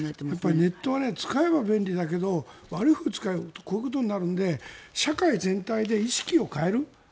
ネットは使えば便利だけど、悪いほうに使えばこういうことになるので社会全体で意識を変える。